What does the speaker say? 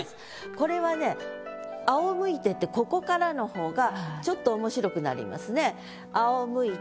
これはね「仰向いて」ってここからのほうがちょっと面白くなりますね「仰向いて」。